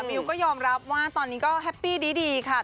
วิวก็ยอมรับว่าตอนนี้ก็แฮปปี้ดีค่ะ